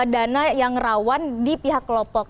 dana yang rawan di pihak kelompok